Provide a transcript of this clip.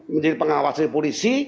menjadi pengawas polisi